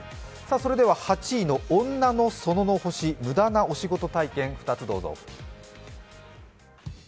それでは８位の「女の園の星」、無駄なおしごと体験、どうぞ。